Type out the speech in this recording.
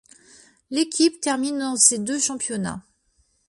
L'équipe termine dans ces deux championnats.